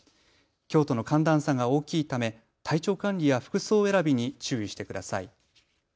きょうとの寒暖差が大きいため体調管理や服装選びに注意してください。